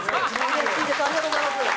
ありがとうございます。